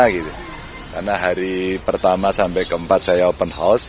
karena hari pertama sampai keempat saya open house